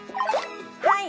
はい！